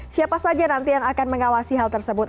siapa saja nanti yang akan mengawasi hal tersebut